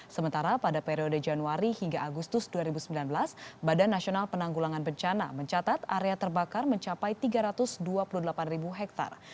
sementara pada periode januari hingga agustus dua ribu sembilan belas badan nasional penanggulangan bencana mencatat area terbakar mencapai tiga ratus dua puluh delapan ribu hektare